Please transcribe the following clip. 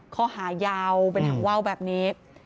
ข้อหายาวเป็นหางว่าวแบบนี้